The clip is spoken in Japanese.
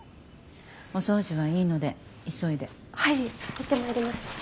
行ってまいります。